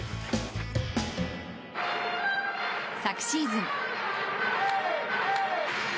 昨シーズン。